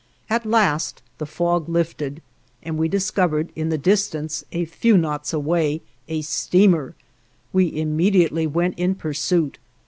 At last the fog lifted, and we discovered in the distance, a few knots away, a steamer; we immediately went in pursuit.